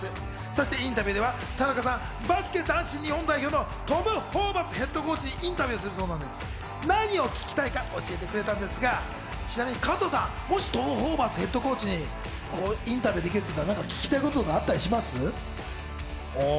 そしてインタビューでは、田中さんがバスケ男子日本代表のトム・ホーバスヘッドコーチにインタビューするなら何を聞きたいか教えてくれたんですが、ちなみに加藤さん、トム・ホーバスヘッドコーチにインタビューできるなら聞きたいことあったりします？